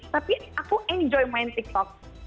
tapi aku enjoy main tiktok